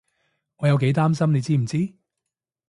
我有幾擔心你知唔知？